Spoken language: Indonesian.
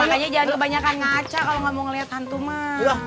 makanya jangan kebanyakan ngaca kalau nggak mau ngeliat hantu mah